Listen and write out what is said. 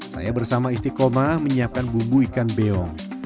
saya bersama istiqomah menyiapkan bumbu ikan beong